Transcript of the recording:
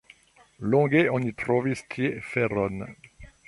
Longe oni trovis tie feron.